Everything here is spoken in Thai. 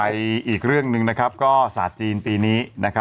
ไปอีกเรื่องนึงก็แสดงจีนตอนนี้